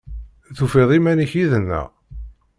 Tufiḍ iman-ik yid-neɣ?